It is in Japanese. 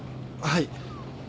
はい。